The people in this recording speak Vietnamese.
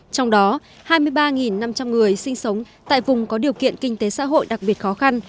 trong đó hai mươi ba năm trăm linh người sinh sống tại vùng có điều kiện kinh tế xã hội đặc biệt khó khăn